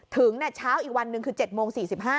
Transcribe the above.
ถึงเช้าอีกวันหนึ่งคือ๗โมง๔๕